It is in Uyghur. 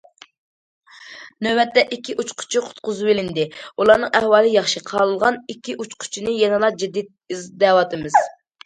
نۆۋەتتە ئىككى ئۇچقۇچى قۇتقۇزۇۋېلىندى، ئۇلارنىڭ ئەھۋالى ياخشى، قالغان ئىككى ئۇچقۇچىنى يەنىلا جىددىي ئىزدەۋاتىمىز.